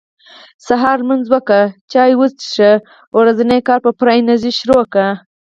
سهار لمونځ وکړه چاي وڅښه ورځني کار په پوره انرژي شروع کړه